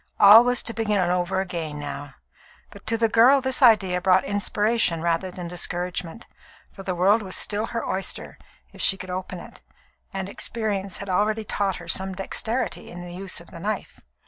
All was to begin over again now; but to the girl this idea brought inspiration rather than discouragement, for the world was still her oyster, if she could open it, and experience had already taught her some dexterity in the use of the knife.